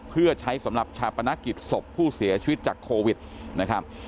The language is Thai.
เพื่อใช้สำหรับชาปนกิจศพผู้เสียชีวิตจากโควิดนะครับ